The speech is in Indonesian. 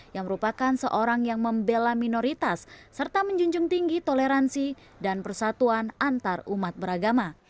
yang merupakan seorang yang membela minoritas serta menjunjung tinggi toleransi dan persatuan antarumat beragama